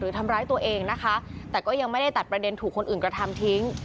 ทำร้ายตัวเองนะคะแต่ก็ยังไม่ได้ตัดประเด็นถูกคนอื่นกระทำทิ้ง